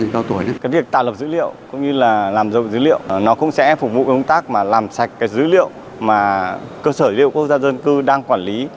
cái việc tạo lập dữ liệu cũng như là làm giàu dữ liệu nó cũng sẽ phục vụ công tác mà làm sạch cái dữ liệu mà cơ sở dữ liệu quốc gia dân cư đang quản lý